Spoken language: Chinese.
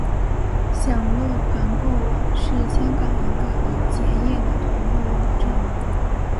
享乐团购网是香港一个已结业的团购网站。